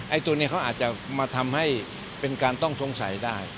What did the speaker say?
ตัวนี้เขาอาจจะมาทำให้เป็นการต้องสงสัยได้